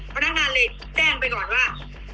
เพราะนานเรียกแจ้งไปก่อนว่า